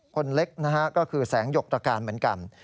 คนเล็กนะฮะก็คือแสงหยกตรการเหมือนกัน